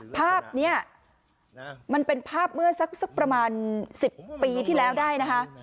ภาพนี้มันเป็นภาพเมื่อสักประมาณ๑๐ปีที่แล้วได้นะคะ